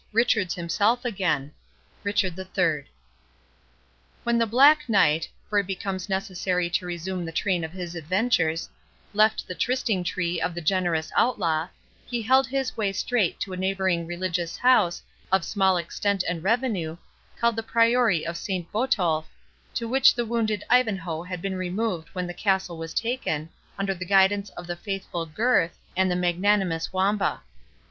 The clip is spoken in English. —Richard's himself again. RICHARD III When the Black Knight—for it becomes necessary to resume the train of his adventures—left the Trysting tree of the generous Outlaw, he held his way straight to a neighbouring religious house, of small extent and revenue, called the Priory of Saint Botolph, to which the wounded Ivanhoe had been removed when the castle was taken, under the guidance of the faithful Gurth, and the magnanimous Wamba.